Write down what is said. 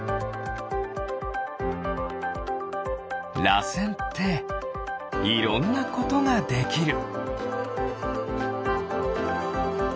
らせんっていろんなことができる。